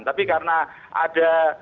tapi karena ada